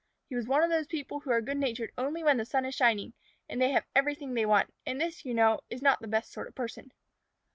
He was one of those people who are good natured only when the sun is shining and they have everything they want, and this, you know, is not the best sort of a person.